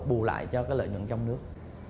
bù lại cho lợi nhuận trong nước